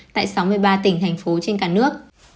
tại sáu mươi ba tỉnh thành phố trên cả nước